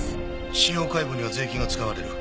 司法解剖には税金が使われる。